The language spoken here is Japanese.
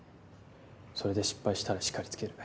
それで失敗したら叱りつける。